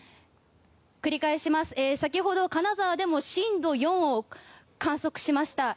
先ほど震度４を観測しました。